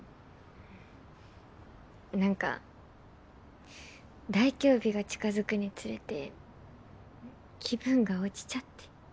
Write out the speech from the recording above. なんか大凶日が近づくにつれて気分が落ちちゃって。